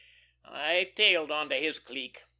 I tailed on to his clique.